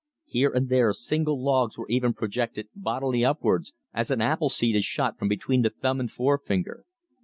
Here and there single logs were even projected bodily upwards, as an apple seed is shot from between the thumb and forefinger.